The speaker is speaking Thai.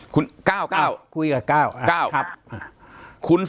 ปากกับภาคภูมิ